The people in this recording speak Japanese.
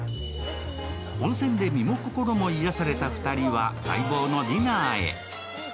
温泉で身も心も癒やされた２人は待望のディナーへ。